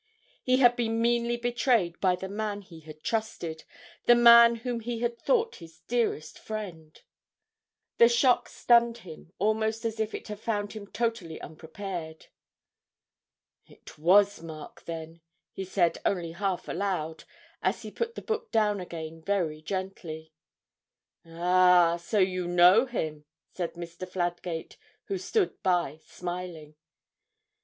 He had been meanly betrayed by the man he had trusted the man whom he had thought his dearest friend! The shock stunned him almost as if it had found him totally unprepared. 'It was Mark, then,' he said only half aloud, as he put the book down again very gently. 'Ah, so you know him?' said Mr. Fladgate, who stood by smiling.